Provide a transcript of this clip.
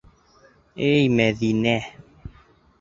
Эй Мәҙинә!